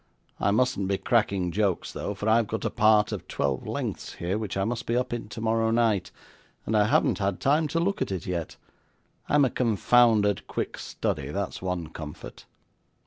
'I mustn't be cracking jokes though, for I've got a part of twelve lengths here, which I must be up in tomorrow night, and I haven't had time to look at it yet; I'm a confounded quick study, that's one comfort.